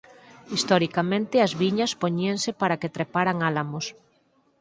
Historicamente as viñas poñíanse para que treparan álamos.